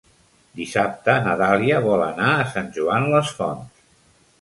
Dissabte na Dàlia vol anar a Sant Joan les Fonts.